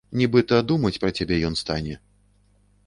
Нібыта думаць пра цябе ён стане.